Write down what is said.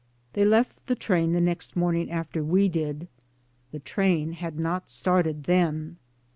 They left the train the next morning after we did. The train had not started then.